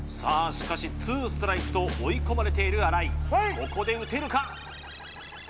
しかしツーストライクと追い込まれている荒井ここで打てるか？